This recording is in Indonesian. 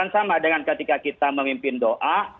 sama dengan ketika kita memimpin doa